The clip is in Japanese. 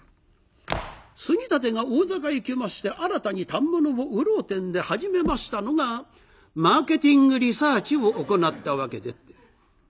杉立が大坂行きまして新たに反物を売ろうてんで始めましたのがマーケティングリサーチを行ったわけでって。